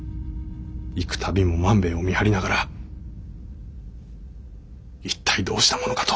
幾度も万兵衛を見張りながら一体どうしたものかと。